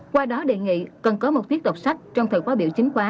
qua đó đề nghị cần có một tiết đọc sách trong thời khóa biểu chính khóa